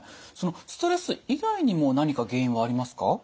そのストレス以外にも何か原因はありますか？